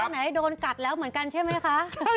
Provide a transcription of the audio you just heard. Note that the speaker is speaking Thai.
ไหนโดนกัดแล้วเหมือนกันใช่ไหมคะ